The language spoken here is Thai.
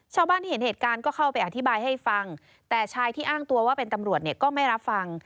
ชาวบ้านที่เห็นเหตุการณ์ก็เข้าไปอธิบายให้ฟังแต่ชายที่อ้างตัวว่าเป็นตำรวจเนี่ยก็ไม่รับฟัง